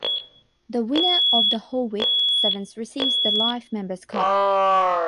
The winner of the Hawick Sevens receives the Life Members Cup.